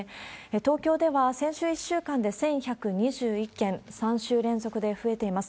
東京では先週１週間で１１２１件、３週連続で増えています。